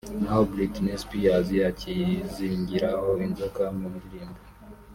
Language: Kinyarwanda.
naho Britney Spears akizingiraho inzoka mu ndirimbo